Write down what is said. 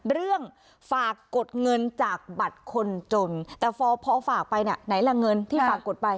เรื่องฝากกดเงินจากบัตรคนจนแต่พอฝากไปเนี่ยไหนล่ะเงินที่ฝากกดไป